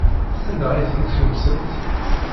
Anda ay tent-tkemsemt?